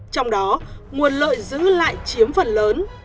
trong đó nguồn lợi giữ lại chiếm phần lớn